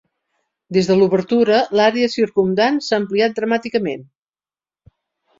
Des de l'obertura, l'àrea circumdant s'ha ampliat dramàticament.